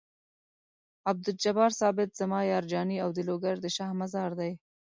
عبدالجبار ثابت زما یار جاني او د لوګر د شاه مزار دی.